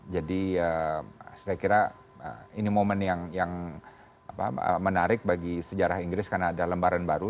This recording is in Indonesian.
jadi saya kira ini momen yang menarik bagi sejarah inggris karena ada lembaran baru